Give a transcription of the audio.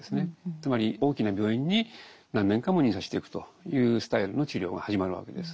つまり大きな病院に何年間も入院させておくというスタイルの治療が始まるわけです。